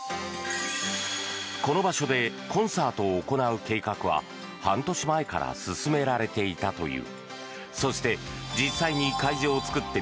この場所でコンサートを行う計画は半年前から進められていたという。